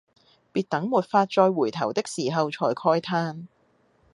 別等沒法再回頭的時候才慨嘆